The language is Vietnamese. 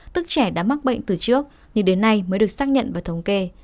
tức trẻ đã mắc bệnh từ trước nhưng đến nay mới được xác nhận và thống kê